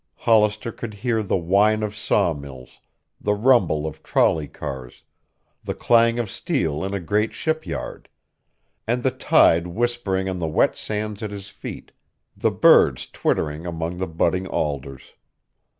Hollister could hear the whine of sawmills, the rumble of trolley cars, the clang of steel in a great shipyard, and the tide whispering on wet sands at his feet, the birds twittering among the budding alders.